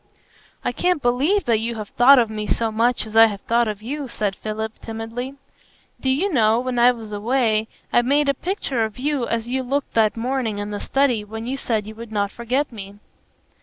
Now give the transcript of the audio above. "I can't believe that you have thought of me so much as I have thought of you," said Philip, timidly. "Do you know, when I was away, I made a picture of you as you looked that morning in the study when you said you would not forget me."